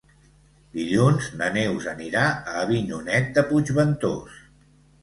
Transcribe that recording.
Dilluns na Neus anirà a Avinyonet de Puigventós.